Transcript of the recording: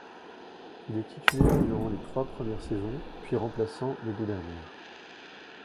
Il est titulaire durant les trois premières saisons, puis remplaçant les deux dernières.